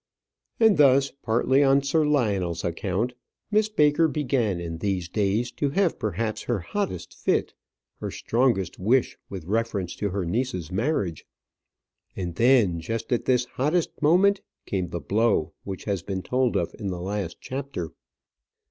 And thus, partly on Sir Lionel's account, Miss Baker began in these days to have perhaps her hottest fit, her strongest wish with reference to her niece's marriage. And then just at this hottest moment came the blow which has been told of in the last chapter.